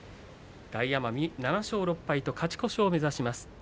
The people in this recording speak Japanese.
大奄美、７勝６敗と勝ち越しを目指します。